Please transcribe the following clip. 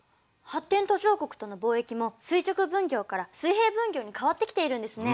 発展途上国との貿易も垂直分業から水平分業に変わってきているんですね。